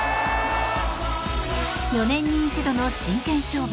４年に一度の真剣勝負